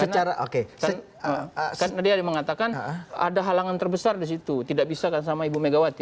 karena dia mengatakan ada halangan terbesar di situ tidak bisa sama ibu megawati